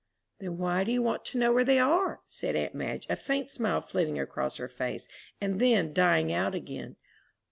"Then why do you want to know where they are?" said aunt Madge, a faint smile flitting across her face and then dying out again.